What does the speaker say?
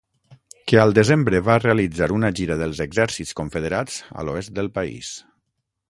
Que al desembre va realitzar una gira dels exèrcits confederats a l'oest del país.